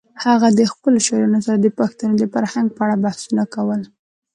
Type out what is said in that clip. هغه د خپلو شاعرانو سره د پښتنو د فرهنګ په اړه بحثونه کول.